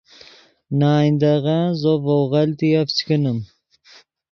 نے آئندغن زو ڤؤ غلطیف چے کینیم